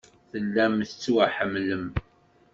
Tellam tettwaḥemmlem.